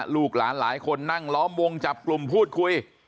ลูกหลานหลายคนนั่งล้อมวงจับกลุ่มพูดคุย